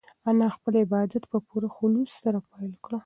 انا خپل عبادت په پوره خلوص سره پیل کړ.